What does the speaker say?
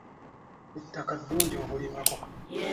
Ettaka ddungi okulima ko.